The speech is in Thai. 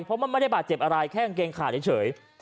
เพราะมันไม่ได้บาดเจ็บอะไรแค่กางเกงขาดเฉย